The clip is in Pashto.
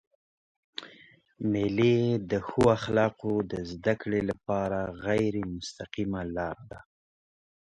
مېلې د ښو اخلاقو د زدهکړي له پاره غیري مستقیمه لار ده.